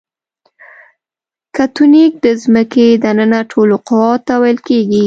تکتونیک د ځمکې دننه ټولو قواوو ته ویل کیږي.